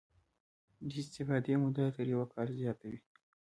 د استفادې موده یې تر یو کال زیاته وي.